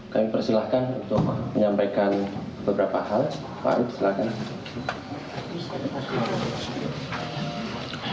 kami persilahkan untuk menyampaikan beberapa hal pak arief silakan